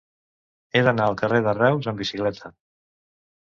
He d'anar al carrer de Reus amb bicicleta.